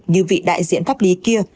như vị đại diện pháp lý kia